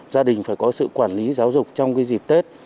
gia đình phải có sự quản lý giáo dục trong dịp tết